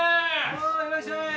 おういらっしゃい！